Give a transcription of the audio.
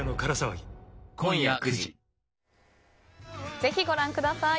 ぜひご覧ください。